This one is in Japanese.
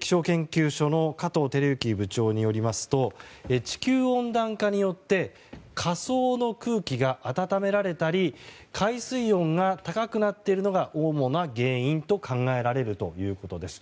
気象研究所の加藤輝之部長によりますと地球温暖化によって下層の空気が暖められたり海水温が高くなっているのが主な原因と考えられるということです。